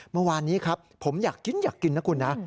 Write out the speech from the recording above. เมื่อวานนี้ครับผมอยากกินอยากกินนะคุณนะ